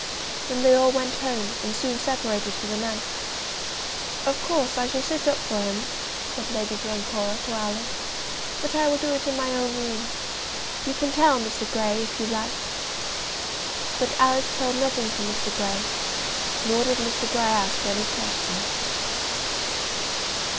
Then they all went home, and soon separated for the night. "Of course I shall sit up for him," said Lady Glencora to Alice, "but I will do it in my own room. You can tell Mr. Grey, if you like." But Alice told nothing to Mr. Grey, nor did Mr. Grey ask any questions.